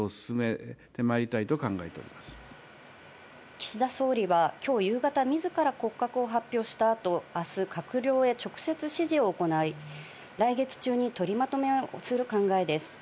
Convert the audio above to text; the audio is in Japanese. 岸田総理はきょう夕方自ら骨格を発表した後、あす閣僚へ直接指示を行い、来月中に取りまとめをする考えです。